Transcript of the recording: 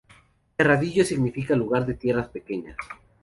Terradillos significa lugar de tierras pequeñas.